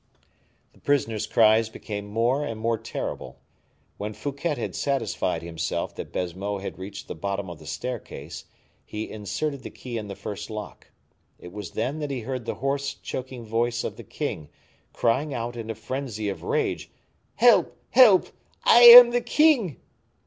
The prisoner's cries became more and more terrible. When Fouquet had satisfied himself that Baisemeaux had reached the bottom of the staircase, he inserted the key in the first lock. It was then that he heard the hoarse, choking voice of the king, crying out, in a frenzy of rage, "Help, help! I am the king."